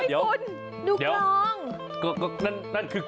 เดี๋ยวนั่นคือกลองหรือฮะ